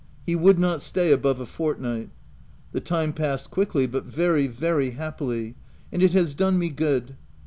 He would not stay above a fortnight. The time passed quickly, but very, very happily, and it has done me good.